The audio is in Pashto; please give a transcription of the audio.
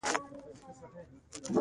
• صداقت د ایمان رڼا ده.